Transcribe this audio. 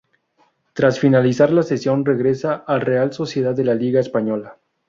Tras finalizar la cesión regresa a Real Sociedad de la Liga Española.